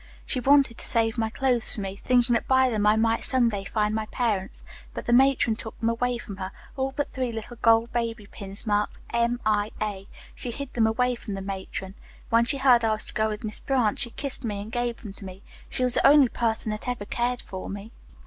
She wanted to save my clothes for me, thinking that by them I might some day find my parents, but the matron took them away from her, all but three little gold baby pins marked 'M.I.A.' She hid them away from the matron. When she heard I was to go with Miss Brant, she kissed me, and gave them to me. She was the only person that ever cared for me."